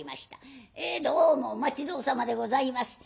「えどうもお待ち遠さまでございます。